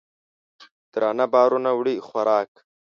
درانه بارونه وړي خوراک